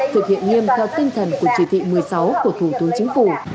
thực hiện nghiêm theo tinh thần của chỉ thị một mươi sáu của thủ tướng chính phủ